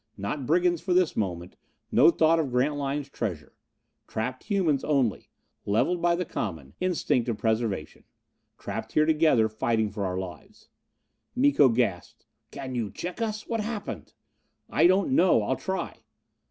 Not brigands for this moment. No thought of Grantline's treasure! Trapped humans only! Leveled by the common, instinct of self preservation. Trapped here together, fighting for our lives. Miko gasped. "Can you check us? What happened?" "I don't know. I'll try."